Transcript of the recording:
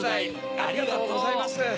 ありがとうございます。